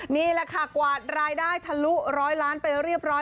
นี่แหละค่ะกวาดรายได้ทะลุร้อยล้านไปเรียบร้อย